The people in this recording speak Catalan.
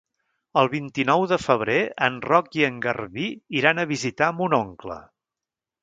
El vint-i-nou de febrer en Roc i en Garbí iran a visitar mon oncle.